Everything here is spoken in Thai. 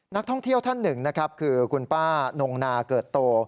นักท่องเที่ยวท่านหนึ่งนะครับคือคุณป้านงนาเกิดโต